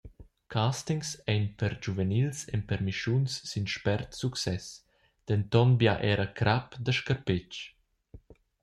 Castings ein per giuvenils empermischuns sin spert success, denton bia era crap da scarpetsch.